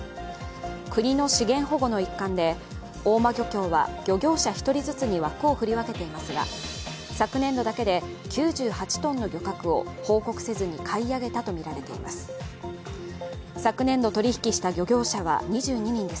国の資源保護の一環で大間漁協は漁業者１人ずつに枠を振り分けていますが昨年度だけで９８ｔの漁獲を、報告せずに買い上げたとみられています。